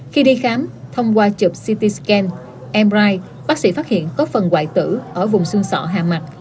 khi đi khám thông qua chụp ct scan mri bác sĩ phát hiện có phần hoài tử ở vùng xương sọ hạ mặt